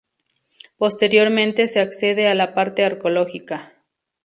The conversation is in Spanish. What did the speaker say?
Posteriormente se accede a la parte arqueológica.